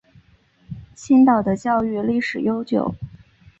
青岛的教育历史悠久。